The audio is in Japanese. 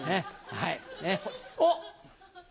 はい。